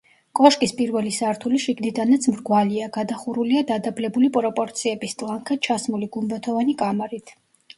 კოშკის პირველი სართული შიგნიდანაც მრგვალია, გადახურულია დადაბლებული პროპორციების, ტლანქად ჩასმული, გუმბათოვანი კამარით.